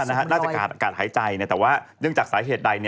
ศพน้อยน่าจะกะดหายใจแต่ว่ายังจากสาเหตุใด